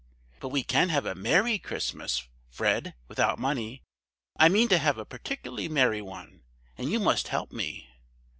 But we can have a merry Christmas, Fred, without money. I mean to have a particularly merry one, and you must help me."